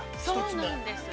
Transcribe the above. ◆そうなんです。